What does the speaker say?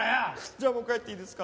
じゃあもう帰っていいですか？